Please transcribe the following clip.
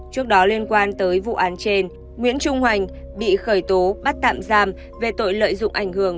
trước đó liên quan tới vụ án trên nguyễn trung hoành bị khởi tố bắt tạm giam về tội lợi dụng ảnh hưởng